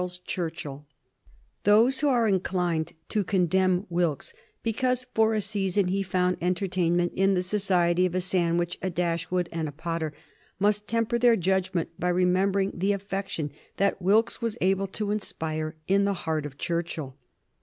[Sidenote: 1731 1764 The poet Churchill] Those who are inclined to condemn Wilkes because for a season he found entertainment in the society of a Sandwich, a Dashwood, and a Potter, must temper their judgment by remembering the affection that Wilkes was able to inspire in the heart of Churchill.